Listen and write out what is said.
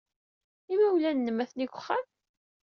Imawlan-nnem atni deg uxxam?